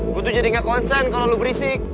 gue tuh jadi gak konsen kalau lo berisik